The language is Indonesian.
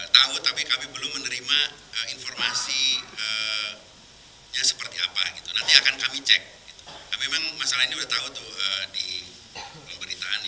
tahu tapi kami belum menerima informasi seperti apa nanti akan kami cek memang